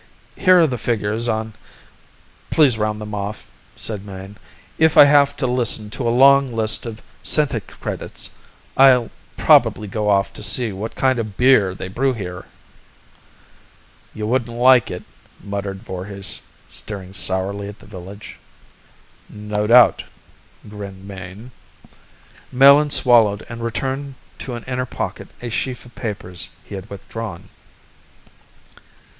"Here are the figures on " "Please round them off," said Mayne. "If I have to listen to a long list in centicredits, I'll probably go off to see what kind of beer they brew here." "You wouldn't like it," muttered Voorhis, staring sourly at the village. "No doubt," grinned Mayne. Melin swallowed and returned to an inner pocket a sheaf of papers he had withdrawn.